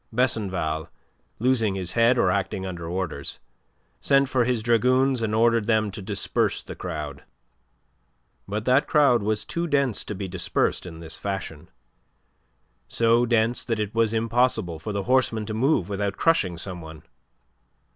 Besenval, losing his head, or acting under orders, sent for his dragoons and ordered them to disperse the crowd, But that crowd was too dense to be dispersed in this fashion; so dense that it was impossible for the horsemen to move without crushing some one.